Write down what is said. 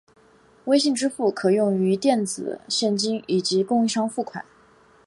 微信支付可用于电子现金以及供应商付款。